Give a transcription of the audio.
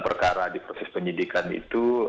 perkara di proses penyidikan itu